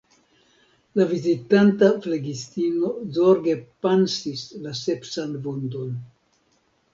La vizitanta flegistino zorge pansis la sepsan vundon.